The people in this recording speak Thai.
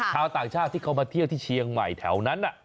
ชาวต่างชาติที่เขามาเที่ยวที่เชียงใหม่แถวนั้น